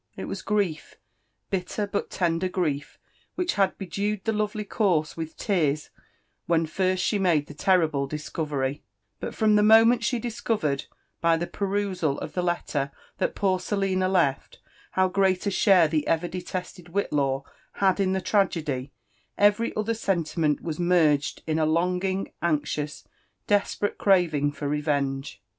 It was grief, bitter but lender grief, which had bedewed the lovely corse with tears when first she made the terrible discovery; but from the moment she discovered, by the perusal of the letter that poorSelina left, how great a share theeNcr delested Whitlaw had in the tragedy, every other sentiment was merged in a longing, anxious, desperate craving for revenge.